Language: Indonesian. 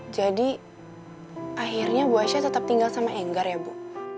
jadi akhirnya bu aisyah tetap tinggal sama enggar ya bu